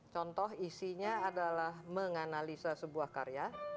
contoh isinya adalah menganalisa sebuah karya